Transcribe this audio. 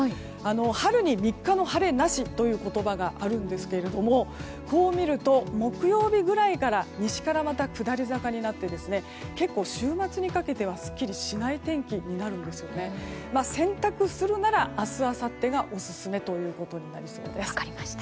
春に３日の晴れなしという言葉があるんですけどもこう見ると木曜日ぐらいから西からまた、下り坂になって結構、週末にかけてはすっきりしない天気で洗濯するなら明日、あさってがオススメとなりそうです。